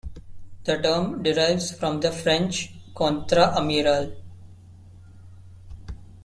The term derives from the French "contre-amiral".